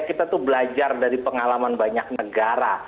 kita tuh belajar dari pengalaman banyak negara